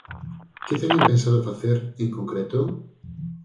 ¿Que teñen pensado facer, en concreto?